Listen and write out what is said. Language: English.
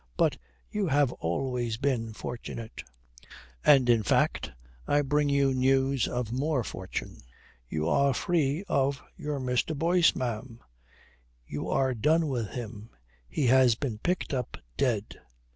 But you have always been fortunate. And in fact I bring you news of more fortune. You are free of your Mr. Boyce, ma'am. You are done with him. He has been picked up dead."